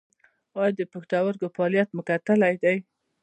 ایا د پښتورګو فعالیت مو کتلی دی؟